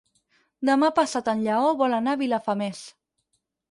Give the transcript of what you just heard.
Demà passat en Lleó vol anar a Vilafamés.